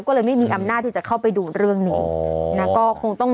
ก็เลยไม่มีอำนาจที่จะเข้าไปดูเรื่องนี้นะก็คงต้อง